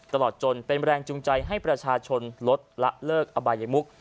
ตลอดจนเป็นแรงจูงใจให้ประชาชนลดละเลิกอบายมุก